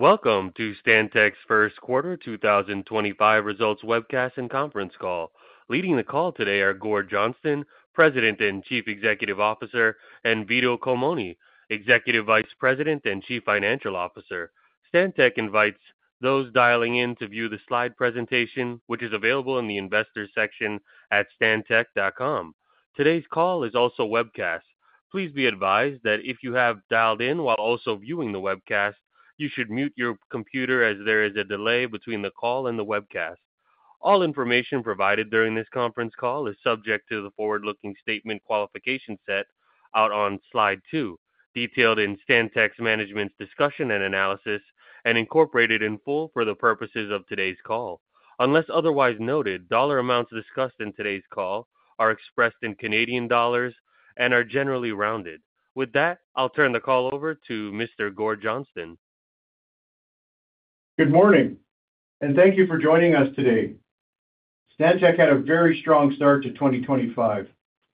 Welcome to Stantec's first quarter 2025 results webcast and conference call. Leading the call today are Gord Johnston, President and Chief Executive Officer, and Vito Culmone, Executive Vice President and Chief Financial Officer. Stantec invites those dialing in to view the slide presentation, which is available in the investors section at stantec.com. Today's call is also webcast. Please be advised that if you have dialed in while also viewing the webcast, you should mute your computer as there is a delay between the call and the webcast. All information provided during this conference call is subject to the forward-looking statement qualification set out on slide two, detailed in Stantec's management's discussion and analysis, and incorporated in full for the purposes of today's call. Unless otherwise noted, dollar amounts discussed in today's call are expressed in CAD and are generally rounded. With that, I'll turn the call over to Mr. Gord Johnston. Good morning, and thank you for joining us today. Stantec had a very strong start to 2025,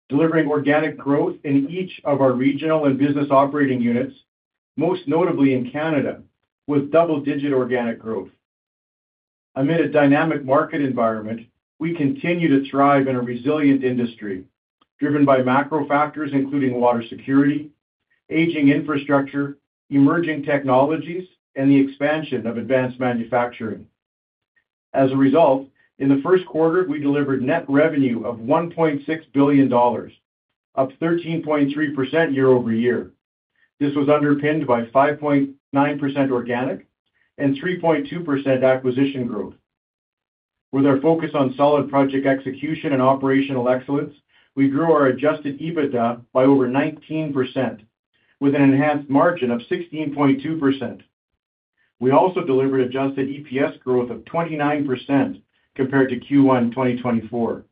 delivering organic growth in each of our regional and business operating units, most notably in Canada, with double-digit organic growth. Amid a dynamic market environment, we continue to thrive in a resilient industry driven by macro factors including water security, aging infrastructure, emerging technologies, and the expansion of advanced manufacturing. As a result, in the first quarter, we delivered net revenue of 1.6 billion dollars, up 13.3% year-over-year. This was underpinned by 5.9% organic and 3.2% acquisition growth. With our focus on solid project execution and operational excellence, we grew our adjusted EBITDA by over 19%, with an enhanced margin of 16.2%. We also delivered adjusted EPS growth of 29% compared to Q1 2024.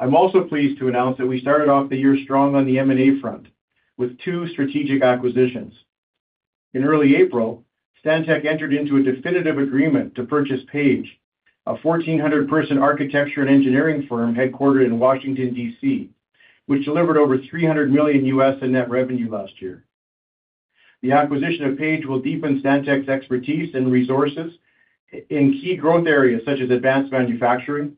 I'm also pleased to announce that we started off the year strong on the M&A front, with two strategic acquisitions. In early April, Stantec entered into a definitive agreement to purchase Page, a 1,400-person architecture and engineering firm headquartered in Washington, D.C., which delivered over $300 million in net revenue last year. The acquisition of Page will deepen Stantec's expertise and resources in key growth areas such as advanced manufacturing,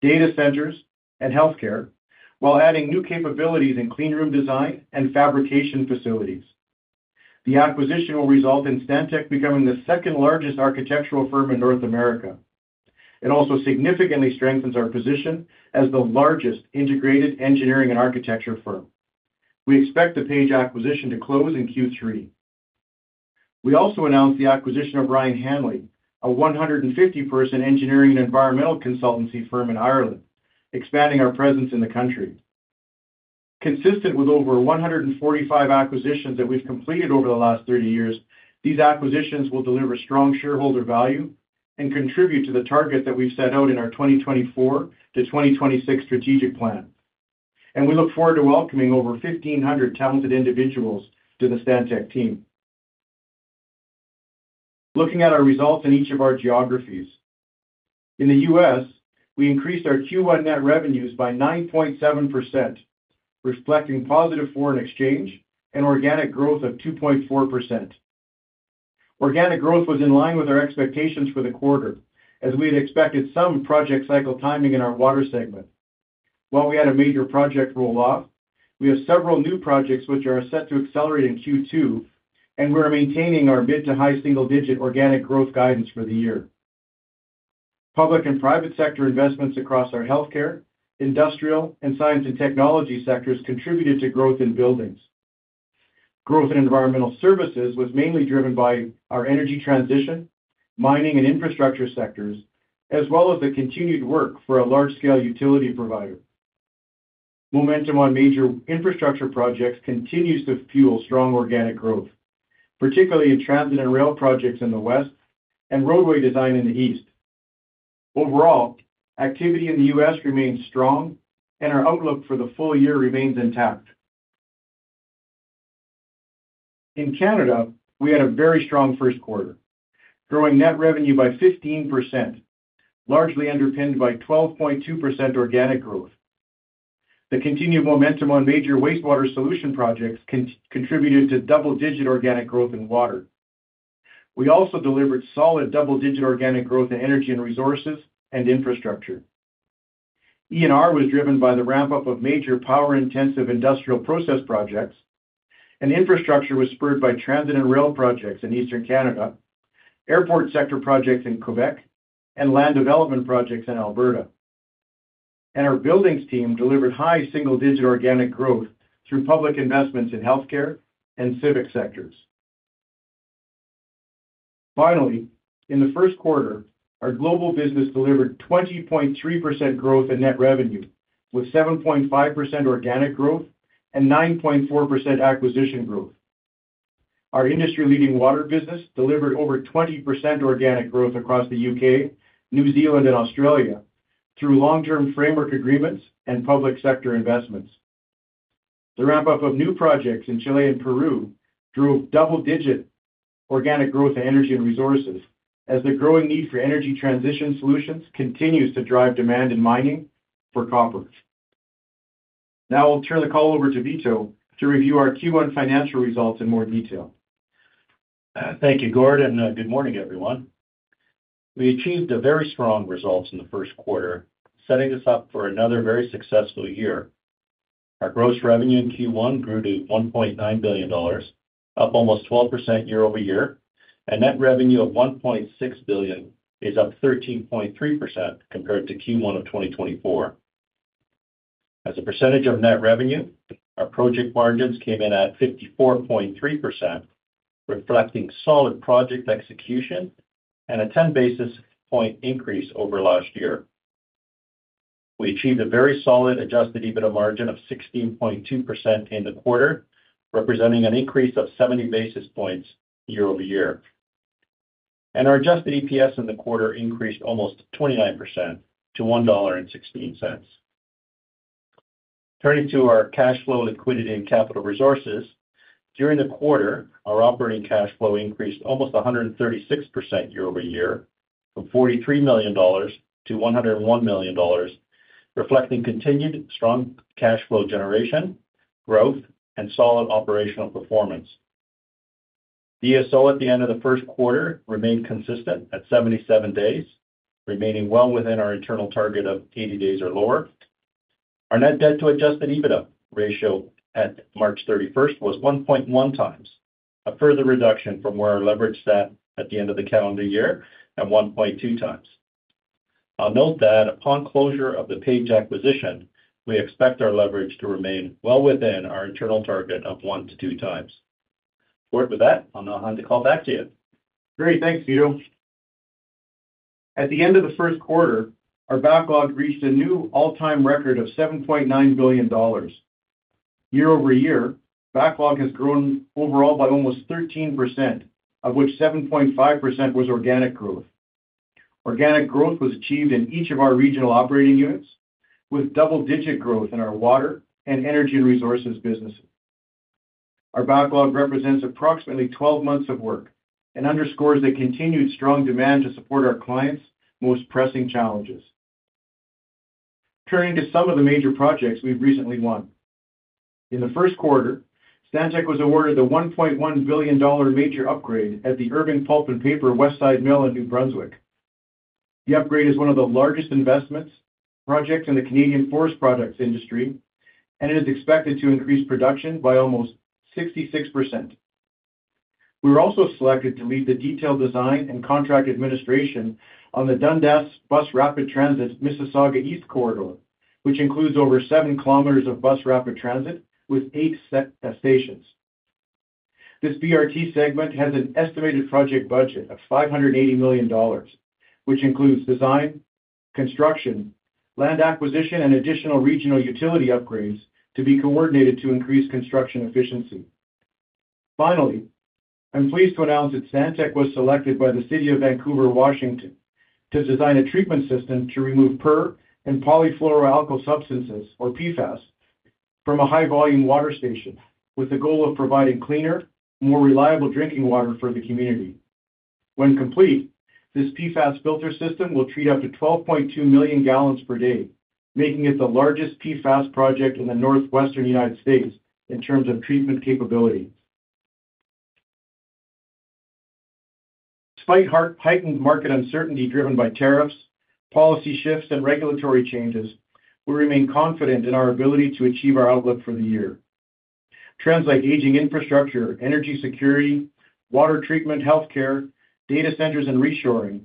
data centers, and health care, while adding new capabilities in cleanroom design and fabrication facilities. The acquisition will result in Stantec becoming the second largest architectural firm in North America. It also significantly strengthens our position as the largest integrated engineering and architecture firm. We expect the Page acquisition to close in Q3. We also announced the acquisition of Ryan Hanley, a 150-person engineering and environmental consultancy firm in Ireland, expanding our presence in the country. Consistent with over 145 acquisitions that we've completed over the last 30 years, these acquisitions will deliver strong shareholder value and contribute to the targets that we've set out in our 2024 to 2026 strategic plan. We look forward to welcoming over 1,500 talented individuals to the Stantec team. Looking at our results in each of our geographies, in the U.S., we increased our Q1 net revenues by 9.7%, reflecting positive foreign exchange and organic growth of 2.4%. Organic growth was in line with our expectations for the quarter, as we had expected some project cycle timing in our water segment. While we had a major project roll off, we have several new projects which are set to accelerate in Q2, and we are maintaining our mid to high single-digit organic growth guidance for the year. Public and private sector investments across our health care, industrial, and science and technology sectors contributed to growth in buildings. Growth in environmental services was mainly driven by our energy transition, mining, and infrastructure sectors, as well as the continued work for a large-scale utility provider. Momentum on major infrastructure projects continues to fuel strong organic growth, particularly in transit and rail projects in the West and roadway design in the East. Overall, activity in the U.S. remains strong, and our outlook for the full year remains intact. In Canada, we had a very strong first quarter, growing net revenue by 15%, largely underpinned by 12.2% organic growth. The continued momentum on major wastewater solution projects contributed to double-digit organic growth in water. We also delivered solid double-digit organic growth in energy and resources and infrastructure. ENR was driven by the ramp-up of major power-intensive industrial process projects. Infrastructure was spurred by transit and rail projects in eastern Canada, airport sector projects in Quebec, and land development projects in Alberta. Our buildings team delivered high single-digit organic growth through public investments in healthcare and civic sectors. Finally, in the first quarter, our global business delivered 20.3% growth in net revenue, with 7.5% organic growth and 9.4% acquisition growth. Our industry-leading water business delivered over 20% organic growth across the U.K., New Zealand, and Australia through long-term framework agreements and public sector investments. The ramp-up of new projects in Chile and Peru drove double-digit organic growth in energy and resources, as the growing need for energy transition solutions continues to drive demand in mining for copper. Now I'll turn the call over to Vito to review our Q1 financial results in more detail. Thank you, Gord, and good morning, everyone. We achieved very strong results in the first quarter, setting us up for another very successful year. Our gross revenue in Q1 grew to 1.9 billion dollars, up almost 12% year-over-year, and net revenue of 1.6 billion is up 13.3% compared to Q1 of 2024. As a percentage of net revenue, our project margins came in at 54.3%, reflecting solid project execution and a 10-basis-point increase over last year. We achieved a very solid adjusted EBITDA margin of 16.2% in the quarter, representing an increase of 70 basis points year-over-year. Our adjusted EPS in the quarter increased almost 29% to $1.16. Turning to our cash flow, liquidity, and capital resources, during the quarter, our operating cash flow increased almost 136% year-over-year, from 43 million dollars to 101 million dollars, reflecting continued strong cash flow generation, growth, and solid operational performance. DSO at the end of the first quarter remained consistent at 77 days, remaining well within our internal target of 80 days or lower. Our net debt-to-adjusted EBITDA ratio at March 31 was 1.1 times, a further reduction from where our leverage sat at the end of the calendar year at 1.2 times. I'll note that upon closure of the Page acquisition, we expect our leverage to remain well within our internal target of 1-2 times. With that, I'll now hand the call back to you. Great. Thanks, Vito. At the end of the first quarter, our backlog reached a new all-time record of 7.9 billion dollars. Year-over-year, backlog has grown overall by almost 13%, of which 7.5% was organic growth. Organic growth was achieved in each of our regional operating units, with double-digit growth in our water and energy and resources businesses. Our backlog represents approximately 12 months of work and underscores the continued strong demand to support our clients' most pressing challenges. Turning to some of the major projects we have recently won. In the first quarter, Stantec was awarded the 1.1 billion dollar major upgrade at the Irving Pulp & Paper Westside Mill in New Brunswick. The upgrade is one of the largest investments, projects in the Canadian forest products industry, and it is expected to increase production by almost 66%. We were also selected to lead the detailed design and contract administration on the Dundas Bus Rapid Transit Mississauga East Corridor, which includes over 7 km of Bus Rapid Transit with 8 stations. This BRT segment has an estimated project budget of 580 million dollars, which includes design, construction, land acquisition, and additional regional utility upgrades to be coordinated to increase construction efficiency. Finally, I'm pleased to announce that Stantec was selected by the City of Vancouver, Washington, to design a treatment system to remove per- and polyfluoroalkyl substances, or PFAS, from a high-volume water station with the goal of providing cleaner, more reliable drinking water for the community. When complete, this PFAS filter system will treat up to 12.2 million gallons per day, making it the largest PFAS project in the northwestern U.S. in terms of treatment capability. Despite heightened market uncertainty driven by tariffs, policy shifts, and regulatory changes, we remain confident in our ability to achieve our outlook for the year. Trends like aging infrastructure, energy security, water treatment, healthcare, data centers, and reshoring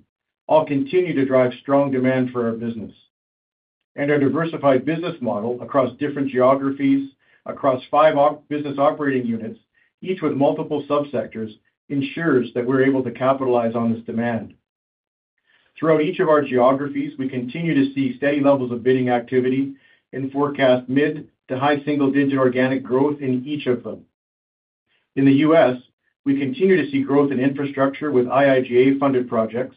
all continue to drive strong demand for our business. Our diversified business model across different geographies, across five business operating units, each with multiple subsectors, ensures that we're able to capitalize on this demand. Throughout each of our geographies, we continue to see steady levels of bidding activity and forecast mid- to high single-digit organic growth in each of them. In the U.S., we continue to see growth in infrastructure with IIJA-funded projects,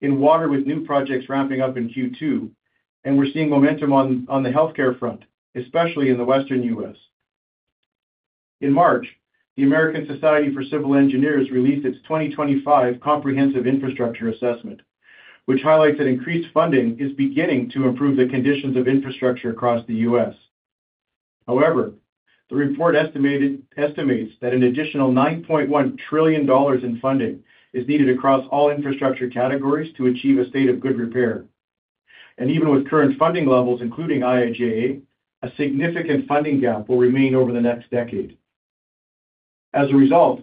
in water with new projects wrapping up in Q2, and we're seeing momentum on the healthcare front, especially in the western U.S. In March, the American Society for Civil Engineers released its 2025 Comprehensive Infrastructure Assessment, which highlights that increased funding is beginning to improve the conditions of infrastructure across the U.S. However, the report estimates that an additional 9.1 trillion dollars in funding is needed across all infrastructure categories to achieve a state of good repair. Even with current funding levels, including IIJA, a significant funding gap will remain over the next decade. As a result,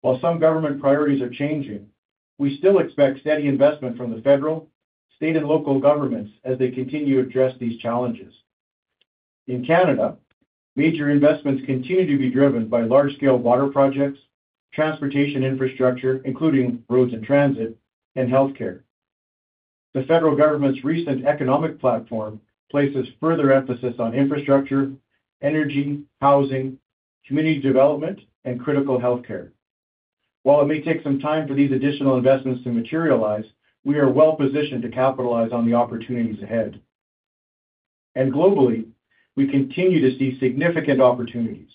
while some government priorities are changing, we still expect steady investment from the federal, state, and local governments as they continue to address these challenges. In Canada, major investments continue to be driven by large-scale water projects, transportation infrastructure, including roads and transit, and healthcare. The federal government's recent economic platform places further emphasis on infrastructure, energy, housing, community development, and critical healthcare. While it may take some time for these additional investments to materialize, we are well-positioned to capitalize on the opportunities ahead. Globally, we continue to see significant opportunities.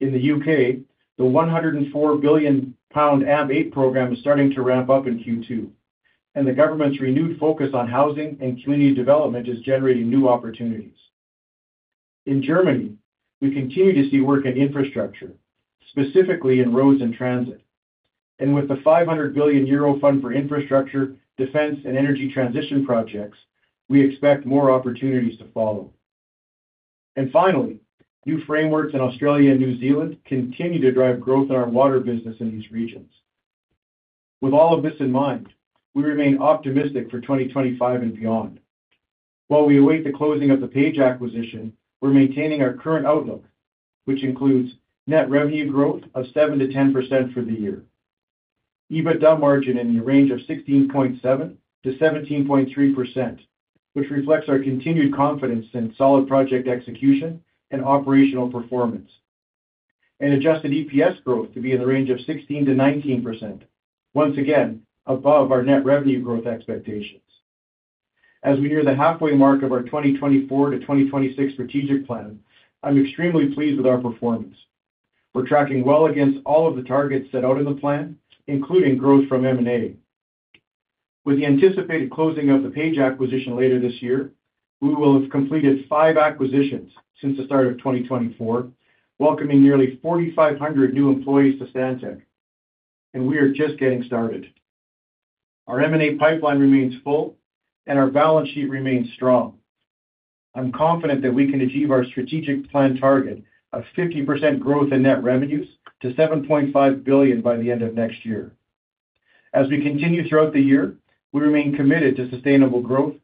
In the U.K., the 104 billion pound AMP8 program is starting to ramp up in Q2, and the government's renewed focus on housing and community development is generating new opportunities. In Germany, we continue to see work in infrastructure, specifically in roads and transit. With the 500 billion euro fund for infrastructure, defense, and energy transition projects, we expect more opportunities to follow. Finally, new frameworks in Australia and New Zealand continue to drive growth in our water business in these regions. With all of this in mind, we remain optimistic for 2025 and beyond. While we await the closing of the Page acquisition, we're maintaining our current outlook, which includes net revenue growth of 7%-10% for the year, EBITDA margin in the range of 16.7%-17.3%, which reflects our continued confidence in solid project execution and operational performance, and adjusted EPS growth to be in the range of 16%-19%, once again above our net revenue growth expectations. As we near the halfway mark of our 2024 to 2026 strategic plan, I'm extremely pleased with our performance. We're tracking well against all of the targets set out in the plan, including growth from M&A. With the anticipated closing of the Page acquisition later this year, we will have completed five acquisitions since the start of 2024, welcoming nearly 4,500 new employees to Stantec. We are just getting started. Our M&A pipeline remains full, and our balance sheet remains strong. I'm confident that we can achieve our strategic plan target of 50% growth in net revenues to 7.5 billion by the end of next year. As we continue throughout the year, we remain committed to sustainable growth,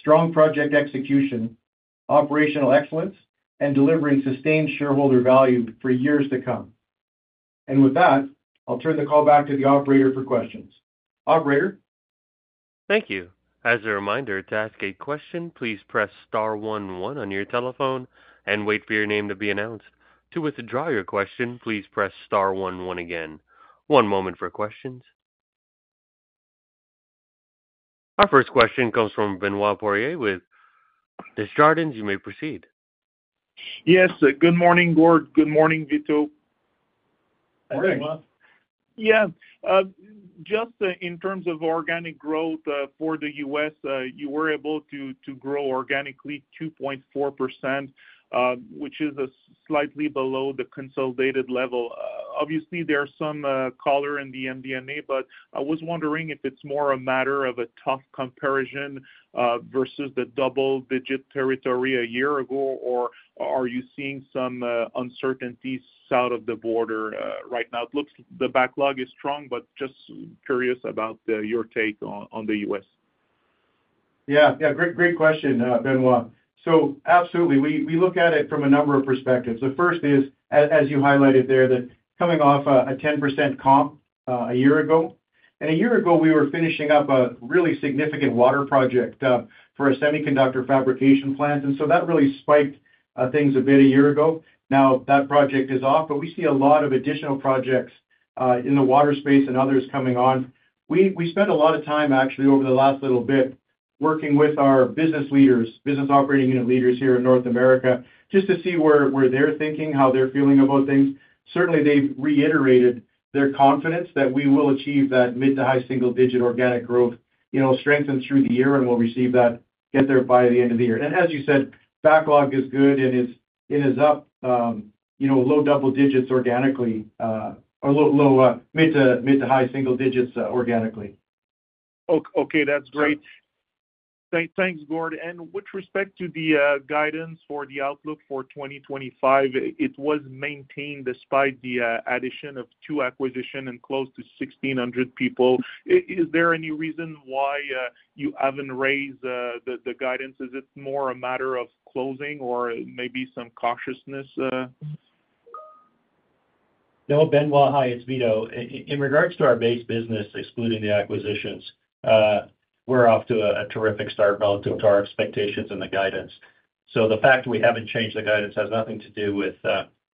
strong project execution, operational excellence, and delivering sustained shareholder value for years to come. I'll turn the call back to the operator for questions. Operator. Thank you. As a reminder, to ask a question, please press star one one on your telephone and wait for your name to be announced. To withdraw your question, please press star one one again. One moment for questions. Our first question comes from Benoit Poirier with Desjardins. You may proceed. Yes. Good morning, Gord. Good morning, Vito. Good morning. Yeah. Just in terms of organic growth for the U.S., you were able to grow organically 2.4%, which is slightly below the consolidated level. Obviously, there's some color in the MD&A, but I was wondering if it's more a matter of a tough comparison versus the double-digit territory a year ago, or are you seeing some uncertainties out of the border right now? It looks the backlog is strong, but just curious about your take on the U.S. Yeah. Yeah. Great question, Benoit. Absolutely, we look at it from a number of perspectives. The first is, as you highlighted there, that coming off a 10% comp a year ago. A year ago, we were finishing up a really significant water project for a semiconductor fabrication plant. That really spiked things a bit a year ago. Now that project is off, but we see a lot of additional projects in the water space and others coming on. We spent a lot of time, actually, over the last little bit working with our business leaders, business operating unit leaders here in North America, just to see where they're thinking, how they're feeling about things. Certainly, they've reiterated their confidence that we will achieve that mid-to-high single-digit organic growth, strengthened through the year, and we'll receive that, get there by the end of the year. As you said, backlog is good, and it is up low double digits organically, or mid-to-high single digits organically. Okay. That's great. Thanks, Gord. With respect to the guidance for the outlook for 2025, it was maintained despite the addition of two acquisitions and close to 1,600 people. Is there any reason why you have not raised the guidance? Is it more a matter of closing or maybe some cautiousness? No, Benoit, hi, it's Vito. In regards to our base business, excluding the acquisitions, we're off to a terrific start relative to our expectations and the guidance. The fact that we haven't changed the guidance has nothing to do with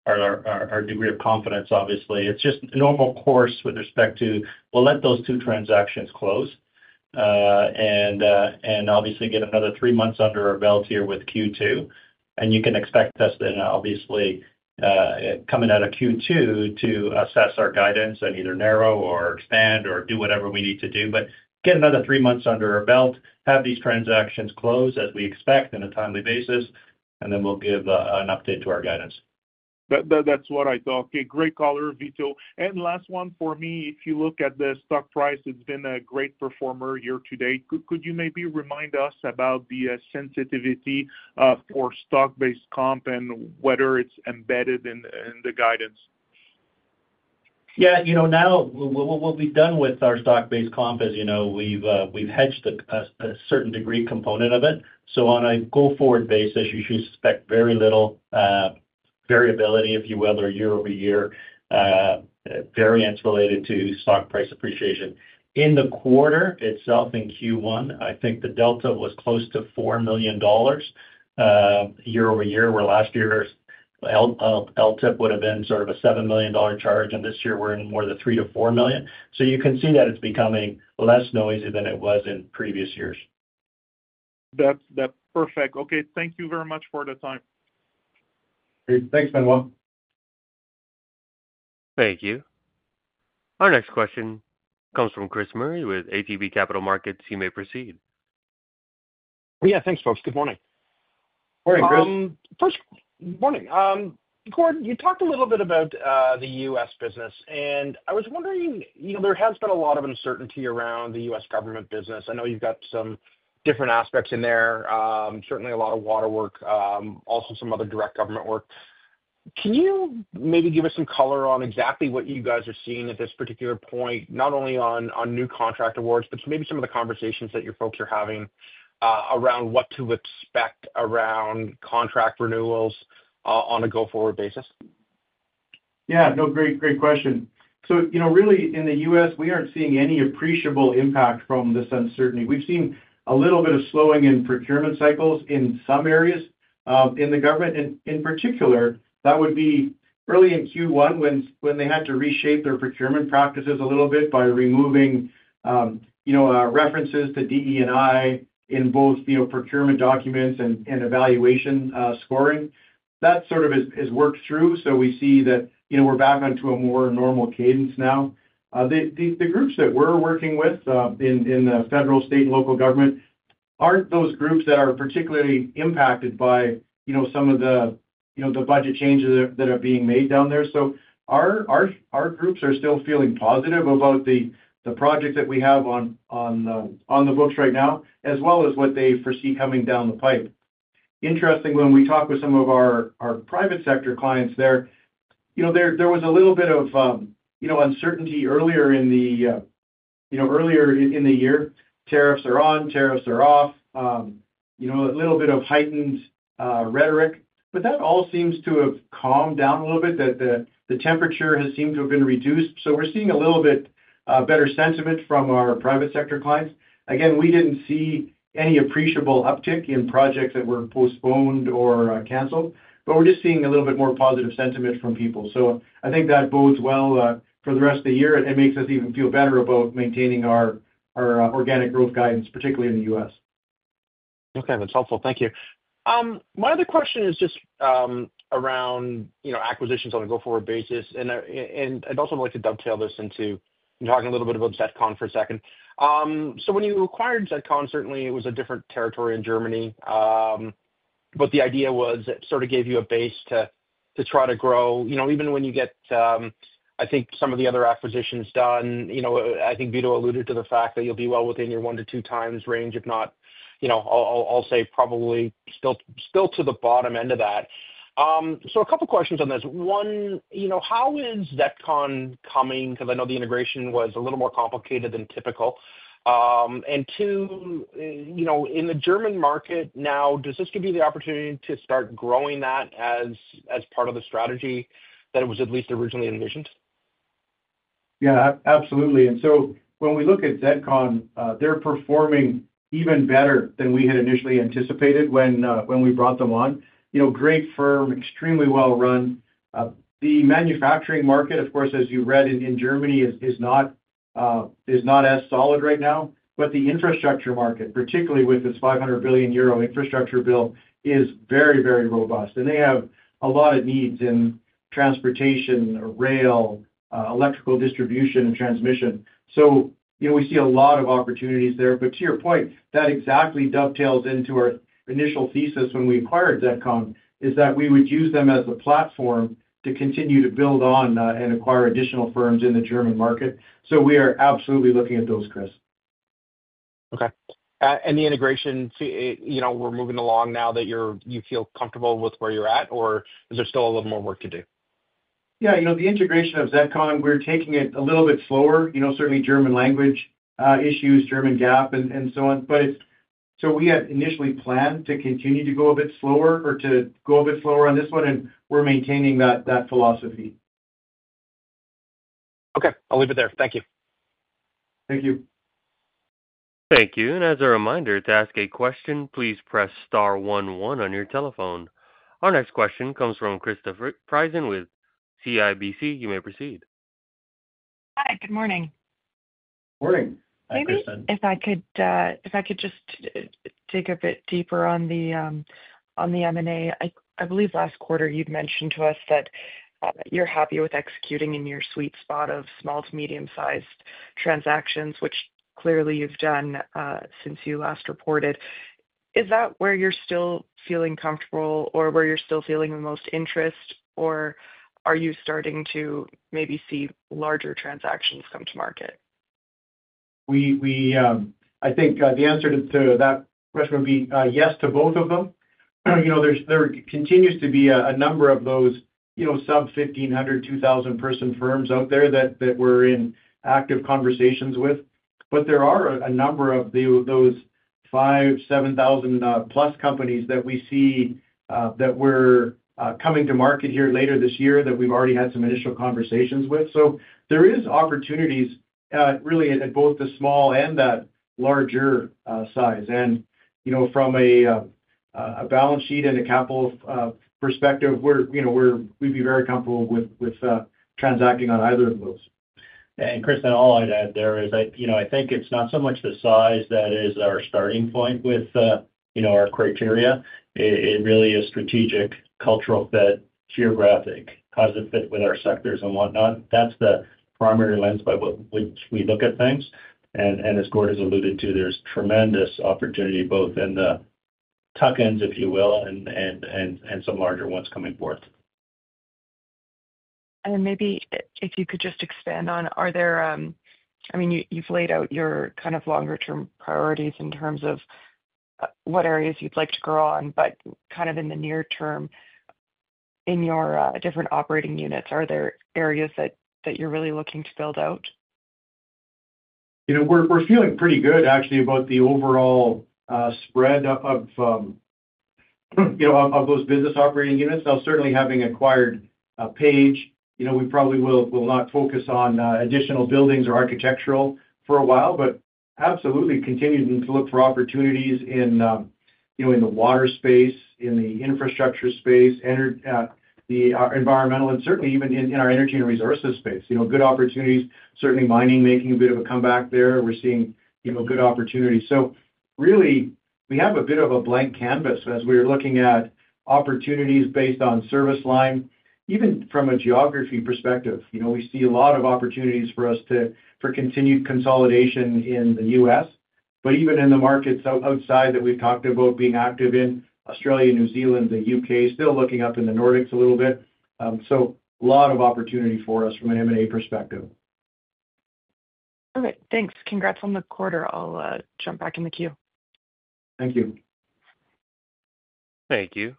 our degree of confidence, obviously. It's just a normal course with respect to, we'll let those two transactions close and obviously get another three months under our belt here with Q2. You can expect us then, obviously, coming out of Q2 to assess our guidance and either narrow or expand or do whatever we need to do. Get another three months under our belt, have these transactions close as we expect on a timely basis, and then we'll give an update to our guidance. That's what I thought. Okay. Great color, Vito. Last one for me, if you look at the stock price, it's been a great performer year to date. Could you maybe remind us about the sensitivity for stock-based comp and whether it's embedded in the guidance? Yeah. Now, what we've done with our stock-based comp, as you know, we've hedged a certain degree component of it. On a go-forward basis, you should expect very little variability, if you will, or year-over-year variance related to stock price appreciation. In the quarter itself in Q1, I think the delta was close to 4 million dollars year-over-year, where last year's LTIP would have been sort of a-million charge. This year, we're in more than $3 million-$4 million. You can see that it's becoming less noisy than it was in previous years. That's perfect. Okay. Thank you very much for the time. Thanks, Benoit. Thank you. Our next question comes from Chris Murray with ATB Capital Markets. You may proceed. Yeah. Thanks, folks. Good morning. Morning, Chris. First, morning. Gord, you talked a little bit about the U.S. business. I was wondering, there has been a lot of uncertainty around the U.S. government business. I know you've got some different aspects in there, certainly a lot of water work, also some other direct government work. Can you maybe give us some color on exactly what you guys are seeing at this particular point, not only on new contract awards, but maybe some of the conversations that your folks are having around what to expect around contract renewals on a go-forward basis? Yeah. No, great question. So really, in the U.S., we aren't seeing any appreciable impact from this uncertainty. We've seen a little bit of slowing in procurement cycles in some areas in the government. In particular, that would be early in Q1 when they had to reshape their procurement practices a little bit by removing references to DE&I in both procurement documents and evaluation scoring. That sort of has worked through. We see that we're back onto a more normal cadence now. The groups that we're working with in the federal, state, and local government aren't those groups that are particularly impacted by some of the budget changes that are being made down there. Our groups are still feeling positive about the projects that we have on the books right now, as well as what they foresee coming down the pipe. Interestingly, when we talk with some of our private sector clients there, there was a little bit of uncertainty earlier in the year. Tariffs are on, tariffs are off, a little bit of heightened rhetoric. That all seems to have calmed down a little bit. The temperature has seemed to have been reduced. We are seeing a little bit better sentiment from our private sector clients. Again, we did not see any appreciable uptick in projects that were postponed or canceled, but we are just seeing a little bit more positive sentiment from people. I think that bodes well for the rest of the year. It makes us even feel better about maintaining our organic growth guidance, particularly in the U.S. Okay. That's helpful. Thank you. My other question is just around acquisitions on a go-forward basis. I'd also like to dovetail this into talking a little bit about ZETCON for a second. When you acquired ZETCON, certainly, it was a different territory in Germany. The idea was it sort of gave you a base to try to grow. Even when you get, I think, some of the other acquisitions done, I think Vito alluded to the fact that you'll be well within your one to two times range, if not, I'll say, probably still to the bottom end of that. A couple of questions on this. One, how is ZETCON coming? I know the integration was a little more complicated than typical. In the German market now, does this give you the opportunity to start growing that as part of the strategy that it was at least originally envisioned? Yeah, absolutely. When we look at ZETCON, they're performing even better than we had initially anticipated when we brought them on. Great firm, extremely well-run. The manufacturing market, of course, as you read in Germany, is not as solid right now. The infrastructure market, particularly with its 500-billion euro infrastructure bill, is very, very robust. They have a lot of needs in transportation, rail, electrical distribution, and transmission. We see a lot of opportunities there. To your point, that exactly dovetails into our initial thesis when we acquired ZETCON, that we would use them as a platform to continue to build on and acquire additional firms in the German market. We are absolutely looking at those, Chris. Okay. The integration, we're moving along now that you feel comfortable with where you're at, or is there still a little more work to do? Yeah. The integration of ZETCON, we're taking it a little bit slower. Certainly, German language issues, German GAAP, and so on. We had initially planned to continue to go a bit slower or to go a bit slower on this one, and we're maintaining that philosophy. Okay. I'll leave it there. Thank you. Thank you. Thank you. As a reminder, to ask a question, please press star one one on your telephone. Our next question comes from Krista Friesen with CIBC. You may proceed. Hi. Good morning. Morning, Krista. Maybe I could just dig a bit deeper on the M&A, I believe last quarter you'd mentioned to us that you're happy with executing in your sweet spot of small to medium-sized transactions, which clearly you've done since you last reported. Is that where you're still feeling comfortable or where you're still feeling the most interest, or are you starting to maybe see larger transactions come to market? I think the answer to that question would be yes to both of them. There continues to be a number of those sub-1,500, 2,000-person firms out there that we're in active conversations with. There are a number of those 5,000-7,000-plus companies that we see that are coming to market here later this year that we've already had some initial conversations with. There are opportunities really at both the small and that larger size. From a balance sheet and a capital perspective, we'd be very comfortable with transacting on either of those. Chris, all I'd add there is I think it's not so much the size that is our starting point with our criteria. It really is strategic, cultural fit, geographic, how does it fit with our sectors and whatnot. That's the primary lens by which we look at things. As Gord has alluded to, there's tremendous opportunity both in the tuck-ins, if you will, and some larger ones coming forth. Maybe if you could just expand on, I mean, you've laid out your kind of longer-term priorities in terms of what areas you'd like to grow on. Kind of in the near term, in your different operating units, are there areas that you're really looking to build out? We're feeling pretty good, actually, about the overall spread of those business operating units. Now, certainly, having acquired Page, we probably will not focus on additional buildings or architectural for a while, but absolutely continuing to look for opportunities in the water space, in the infrastructure space, the environmental, and certainly even in our energy and resources space. Good opportunities. Certainly, mining making a bit of a comeback there. We're seeing good opportunities. So really, we have a bit of a blank canvas as we're looking at opportunities based on service line. Even from a geography perspective, we see a lot of opportunities for us for continued consolidation in the U.S. But even in the markets outside that we've talked about being active in, Australia, New Zealand, the U.K., still looking up in the Nordics a little bit. So a lot of opportunity for us from an M&A perspective. All right. Thanks. Congrats on the quarter. I'll jump back in the queue. Thank you. Thank you.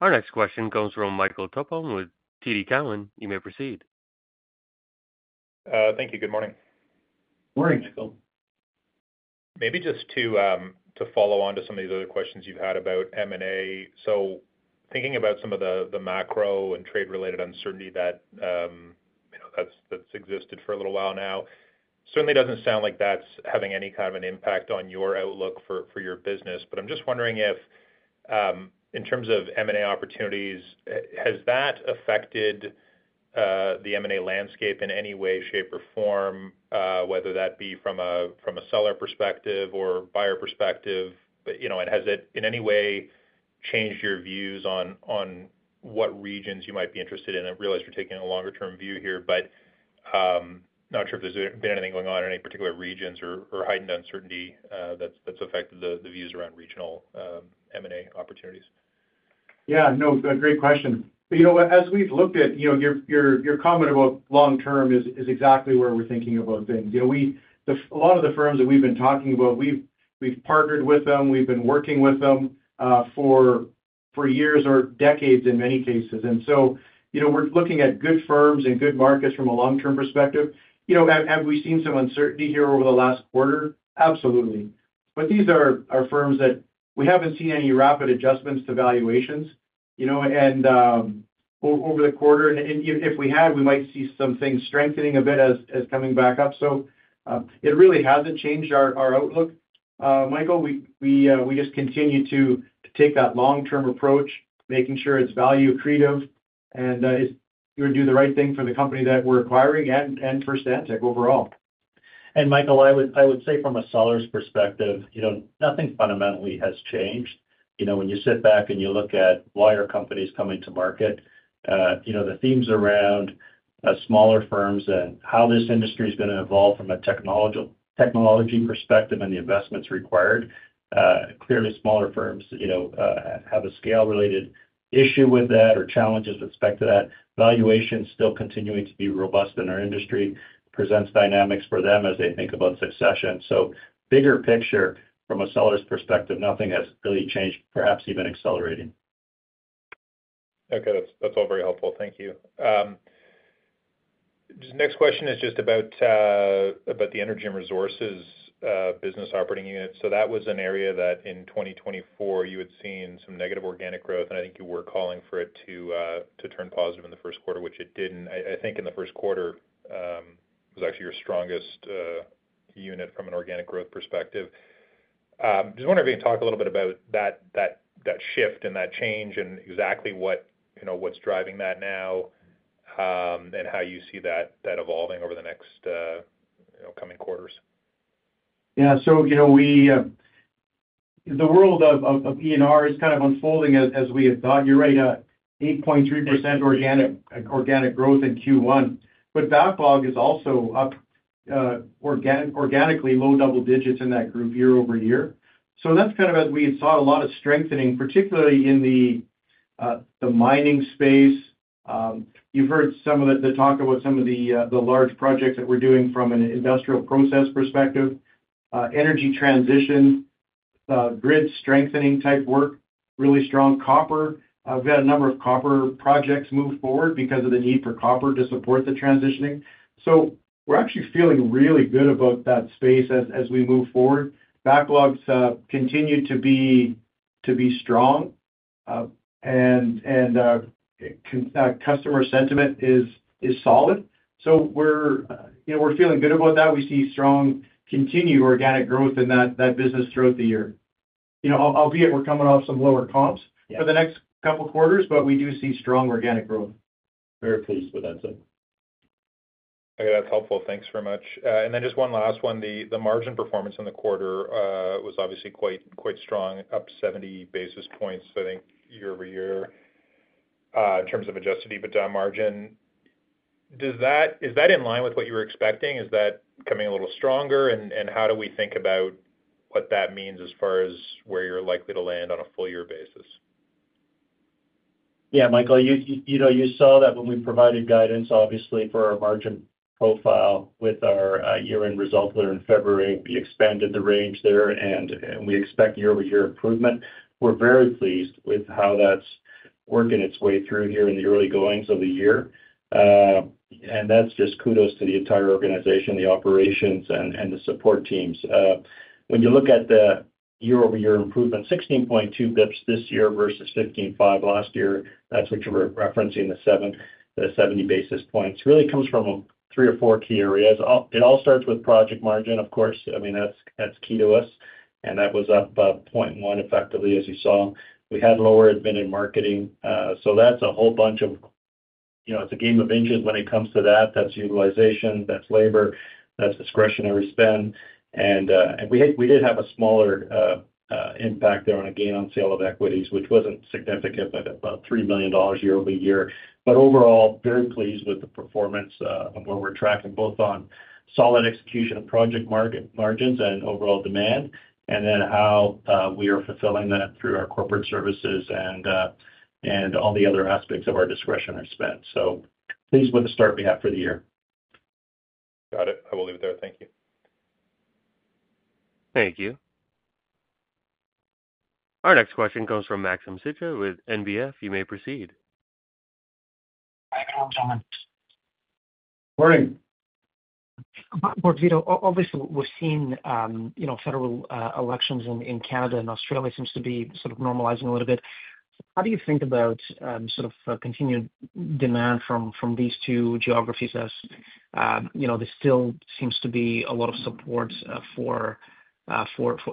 Our next question comes from Michael Tupholme with TD Cowen. You may proceed. Thank you. Good morning. Good morning, Michael. Maybe just to follow on to some of these other questions you've had about M&A. Thinking about some of the macro and trade-related uncertainty that's existed for a little while now, it certainly doesn't sound like that's having any kind of an impact on your outlook for your business. I'm just wondering if, in terms of M&A opportunities, has that affected the M&A landscape in any way, shape, or form, whether that be from a seller perspective or buyer perspective? Has it in any way changed your views on what regions you might be interested in? I realize you're taking a longer-term view here, but not sure if there's been anything going on in any particular regions or heightened uncertainty that's affected the views around regional M&A opportunities. Yeah. No, great question. You know what? As we've looked at your comment about long-term, that is exactly where we're thinking about things. A lot of the firms that we've been talking about, we've partnered with them. We've been working with them for years or decades in many cases. We are looking at good firms and good markets from a long-term perspective. Have we seen some uncertainty here over the last quarter? Absolutely. These are firms where we have not seen any rapid adjustments to valuations over the quarter. If we had, we might see some things strengthening a bit as coming back up. It really has not changed our outlook, Michael. We just continue to take that long-term approach, making sure it is value-creative and do the right thing for the company that we are acquiring and for Stantec overall. Michael, I would say from a seller's perspective, nothing fundamentally has changed. When you sit back and you look at why our company is coming to market, the themes around smaller firms and how this industry is going to evolve from a technology perspective and the investments required, clearly smaller firms have a scale-related issue with that or challenges with respect to that. Valuation is still continuing to be robust in our industry, presents dynamics for them as they think about succession. Bigger picture from a seller's perspective, nothing has really changed, perhaps even accelerating. Okay. That's all very helpful. Thank you. Next question is just about the energy and resources business operating unit. That was an area that in 2024, you had seen some negative organic growth. I think you were calling for it to turn positive in the first quarter, which it did not. I think in the first quarter, it was actually your strongest unit from an organic growth perspective. Just wondering if you can talk a little bit about that shift and that change and exactly what's driving that now and how you see that evolving over the next coming quarters. Yeah. The world of E&R is kind of unfolding as we had thought. You're right, 8.3% organic growth in Q1. Backlog is also up organically, low double digits in that group year-over-year. That is kind of as we saw a lot of strengthening, particularly in the mining space. You've heard some of the talk about some of the large projects that we're doing from an industrial process perspective, energy transition, grid strengthening type work, really strong copper. We've had a number of copper projects move forward because of the need for copper to support the transitioning. We're actually feeling really good about that space as we move forward. Backlogs continue to be strong, and customer sentiment is solid. We're feeling good about that. We see strong continued organic growth in that business throughout the year, albeit we're coming off some lower comps for the next couple of quarters, but we do see strong organic growth. Very pleased with that, sir. Okay. That's helpful. Thanks very much. And then just one last one. The margin performance in the quarter was obviously quite strong, up 70 basis points, I think, year-over-year in terms of adjusted EBITDA margin. Is that in line with what you were expecting? Is that coming a little stronger? And how do we think about what that means as far as where you're likely to land on a full-year basis? Yeah, Michael, you saw that when we provided guidance, obviously, for our margin profile with our year-end result there in February. We expanded the range there, and we expect year-over-year improvement. We're very pleased with how that's working its way through here in the early goings of the year. That is just kudos to the entire organization, the operations, and the support teams. When you look at the year-over-year improvement, 16.2% this year versus 15.5% last year, that's what you were referencing, the 70 basis points. It really comes from three or four key areas. It all starts with project margin, of course. I mean, that's key to us. That was up 0.1% effectively, as you saw. We had lower admitted marketing. That is a whole bunch of, it's a game of inches when it comes to that. That is utilization. That is labor. That is discretionary spend. We did have a smaller impact there on a gain on sale of equities, which was not significant, but about 3 million dollars year-over-year. Overall, very pleased with the performance of what we are tracking, both on solid execution of project margins and overall demand, and then how we are fulfilling that through our corporate services and all the other aspects of our discretionary spend. Pleased with the start we have for the year. Got it. I will leave it there. Thank you. Thank you. Our next question comes from Maxim Sytchev with NBF. You may proceed. Hi, everyone. Morning. Morning, Vito. Obviously, we've seen federal elections in Canada, and Australia seems to be sort of normalizing a little bit. How do you think about sort of continued demand from these two geographies as there still seems to be a lot of support for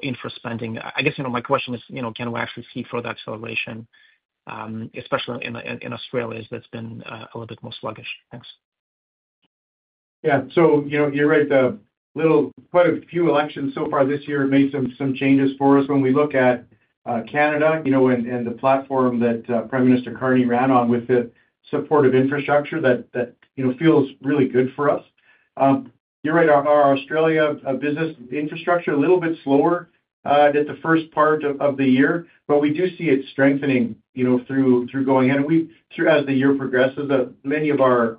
infra spending? I guess my question is, can we actually see further acceleration, especially in Australia as that's been a little bit more sluggish? Thanks. Yeah. So you're right. Quite a few elections so far this year made some changes for us. When we look at Canada and the platform that Prime Minister Carney ran on with the support of infrastructure, that feels really good for us. You're right. Our Australia business infrastructure, a little bit slower at the first part of the year, but we do see it strengthening through going ahead. As the year progresses, many of our—we've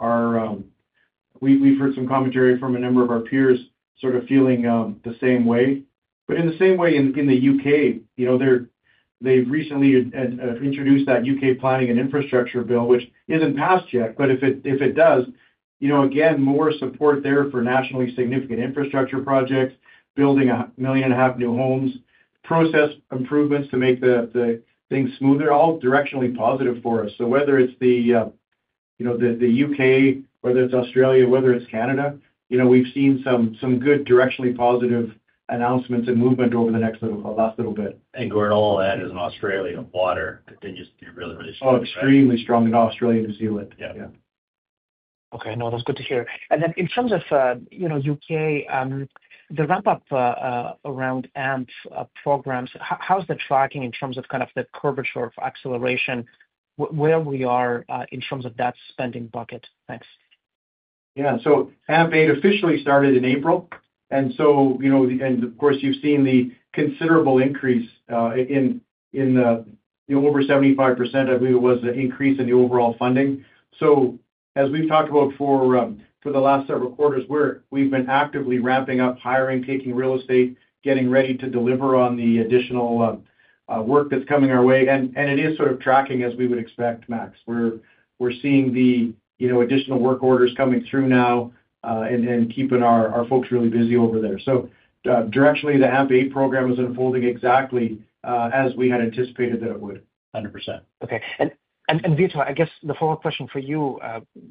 heard some commentary from a number of our peers sort of feeling the same way. In the same way, in the U.K., they've recently introduced that U.K. Planning and Infrastructure Bill, which isn't passed yet, but if it does, again, more support there for nationally significant infrastructure projects, building a million and a half new homes, process improvements to make the things smoother, all directionally positive for us. Whether it's the U.K., whether it's Australia, whether it's Canada, we've seen some good directionally positive announcements and movement over the next little bit. Gord, all that is in Australia and water. It just can be really, really strong. Oh, extremely strong in Australia and New Zealand. Yeah. Okay. No, that's good to hear. In terms of U.K., the ramp-up around AMP programs, how's the tracking in terms of kind of the curvature of acceleration, where we are in terms of that spending bucket? Thanks. Yeah. AMP8 officially started in April. Of course, you've seen the considerable increase in the over 75%, I believe it was, the increase in the overall funding. As we've talked about for the last several quarters, we've been actively ramping up hiring, taking real estate, getting ready to deliver on the additional work that's coming our way. It is sort of tracking as we would expect, Max. We're seeing the additional work orders coming through now and keeping our folks really busy over there. Directionally, the AMP8 program is unfolding exactly as we had anticipated that it would. 100%. Okay. Vito, I guess the follow-up question for you,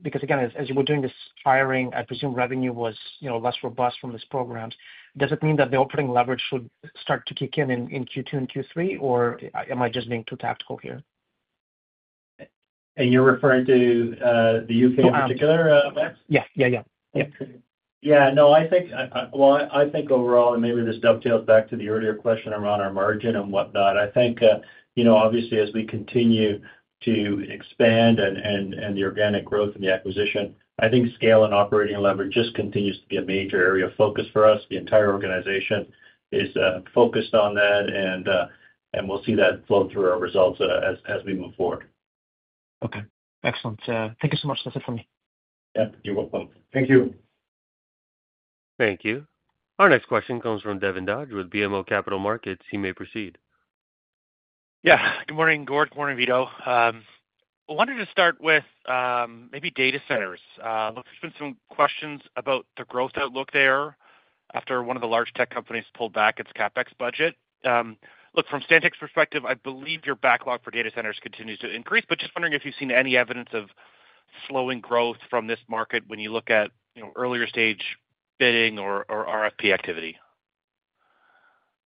because again, as you were doing this hiring, I presume revenue was less robust from these programs. Does it mean that the operating leverage should start to kick in in Q2 and Q3, or am I just being too tactical here? You're referring to the U.K. in particular, Max? Yeah. Yeah. No, I think, I think overall, and maybe this dovetails back to the earlier question around our margin and whatnot, I think obviously as we continue to expand and the organic growth and the acquisition, I think scale and operating leverage just continues to be a major area of focus for us. The entire organization is focused on that, and we'll see that flow through our results as we move forward. Okay. Excellent. Thank you so much. That's it for me. Yep. You're welcome. Thank you. Thank you. Our next question comes from Devin Dodge with BMO Capital Markets. You may proceed. Yeah. Good morning, Gord. Good morning, Vito. I wanted to start with maybe data centers. There's been some questions about the growth outlook there after one of the large tech companies pulled back its CapEx budget. Look, from Stantec's perspective, I believe your backlog for data centers continues to increase, but just wondering if you've seen any evidence of slowing growth from this market when you look at earlier stage bidding or RFP activity.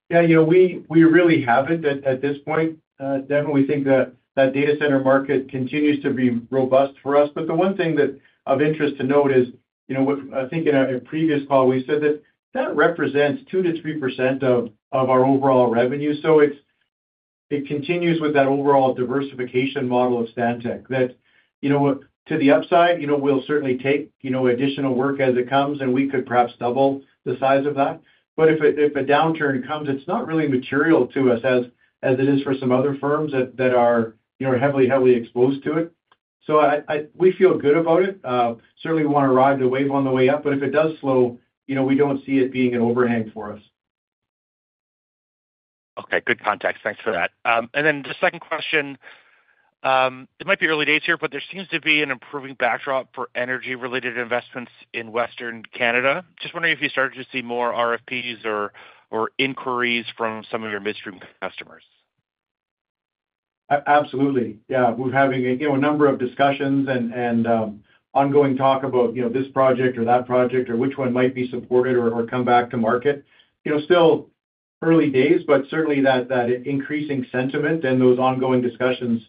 Yeah. We really have not at this point, Devin. We think that data center market continues to be robust for us. The one thing of interest to note is, I think in a previous call, we said that that represents 2%-3% of our overall revenue. It continues with that overall diversification model of Stantec that to the upside, we will certainly take additional work as it comes, and we could perhaps double the size of that. If a downturn comes, it is not really material to us as it is for some other firms that are heavily, heavily exposed to it. We feel good about it. Certainly, we want to ride the wave on the way up. If it does slow, we do not see it being an overhang for us. Okay. Good context. Thanks for that. The second question, it might be early days here, but there seems to be an improving backdrop for energy-related investments in Western Canada. Just wondering if you started to see more RFPs or inquiries from some of your midstream customers. Absolutely. Yeah. We're having a number of discussions and ongoing talk about this project or that project or which one might be supported or come back to market. Still early days, but certainly that increasing sentiment and those ongoing discussions,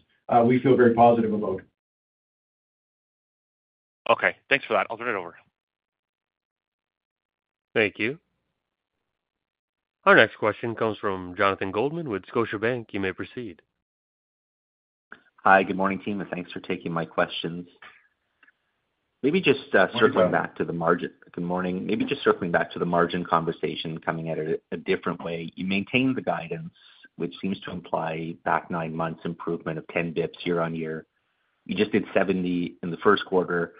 we feel very positive about. Okay. Thanks for that. I'll turn it over. Thank you. Our next question comes from Jonathan Goldman with Scotiabank. You may proceed. Hi. Good morning, team. Thanks for taking my questions. Maybe just circling back to the margin. Good morning. Maybe just circling back to the margin conversation, coming at it a different way. You maintain the guidance, which seems to imply back nine months improvement of 10 basis points year-on-year. You just did 70 in the first quarter.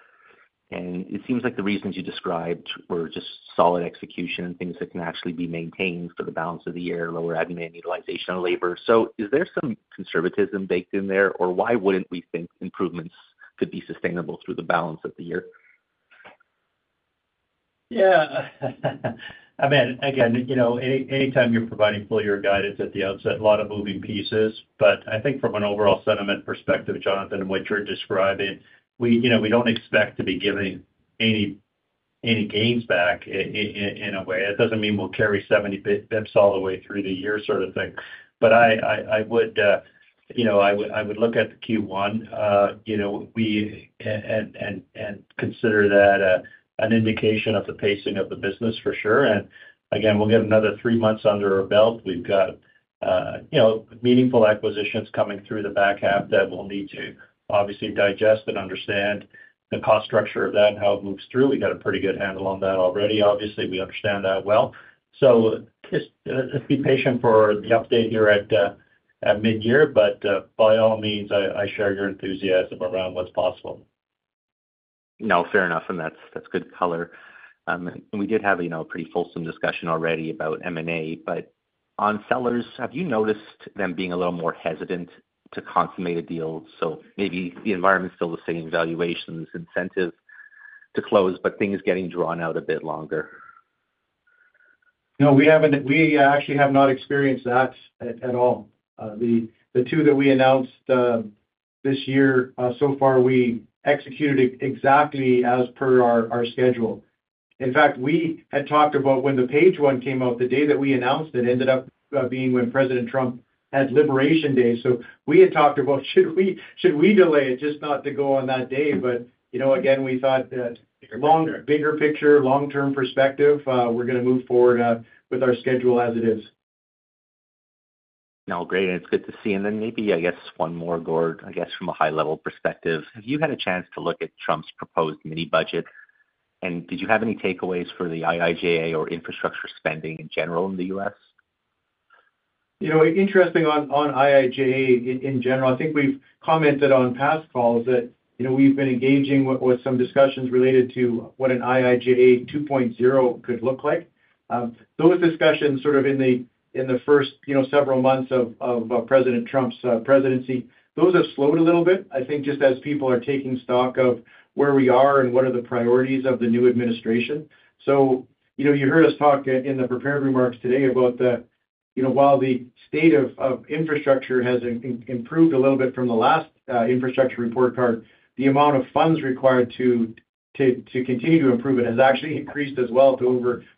It seems like the reasons you described were just solid execution and things that can actually be maintained for the balance of the year, lower admin, utilization of labor. Is there some conservatism baked in there, or why would we not think improvements could be sustainable through the balance of the year? Yeah. I mean, again, anytime you're providing full-year guidance at the outset, a lot of moving pieces. I think from an overall sentiment perspective, Jonathan, and what you're describing, we don't expect to be giving any gains back in a way. That doesn't mean we'll carry 70 bits all the way through the year sort of thing. I would look at Q1 and consider that an indication of the pacing of the business for sure. Again, we'll get another three months under our belt. We've got meaningful acquisitions coming through the back half that we'll need to obviously digest and understand the cost structure of that and how it moves through. We've got a pretty good handle on that already. Obviously, we understand that well. Just be patient for the update here at mid-year, but by all means, I share your enthusiasm around what's possible. No, fair enough. That is good color. We did have a pretty fulsome discussion already about M&A. On sellers, have you noticed them being a little more hesitant to consummate a deal? Maybe the environment is still the same, valuations, incentives to close, but things getting drawn out a bit longer. No, we actually have not experienced that at all. The two that we announced this year, so far, we executed exactly as per our schedule. In fact, we had talked about when the Page one came out, the day that we announced it ended up being when President Trump had Liberation Day. We had talked about, should we delay it just not to go on that day? Again, we thought that bigger picture, long-term perspective, we are going to move forward with our schedule as it is. No, great. It's good to see. Maybe, I guess, one more, Gord, I guess from a high-level perspective. Have you had a chance to look at Trump's proposed mini-budget, and did you have any takeaways for the IIJA or infrastructure spending in general in the U.S.? Interesting on IIJA in general. I think we've commented on past calls that we've been engaging with some discussions related to what an IIJA 2.0 could look like. Those discussions sort of in the first several months of President Trump's presidency, those have slowed a little bit, I think, just as people are taking stock of where we are and what are the priorities of the new administration. You heard us talk in the prepared remarks today about while the state of infrastructure has improved a little bit from the last infrastructure report card, the amount of funds required to continue to improve it has actually increased as well to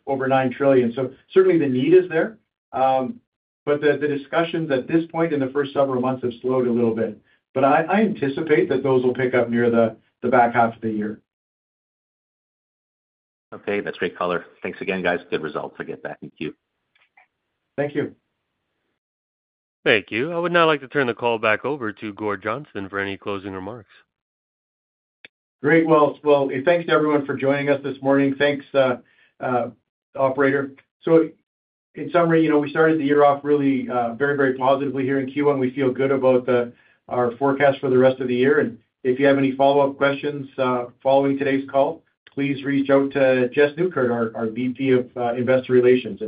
over $9 trillion. Certainly, the need is there. The discussions at this point in the first several months have slowed a little bit. I anticipate that those will pick up near the back half of the year. Okay. That's great color. Thanks again, guys. Good results to get back. Thank you. Thank you. Thank you. I would now like to turn the call back over to Gord Johnston for any closing remarks. Great. Thanks to everyone for joining us this morning. Thanks, Operator. In summary, we started the year off really very, very positively here in Q1. We feel good about our forecast for the rest of the year. If you have any follow-up questions following today's call, please reach out to Jess Nieukerk, our VP of Investor Relations.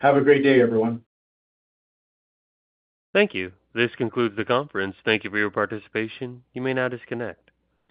Have a great day, everyone. Thank you. This concludes the conference. Thank you for your participation. You may now disconnect.